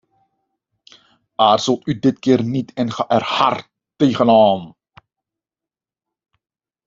Aarzelt u dit keer niet en ga er hard tegenaan!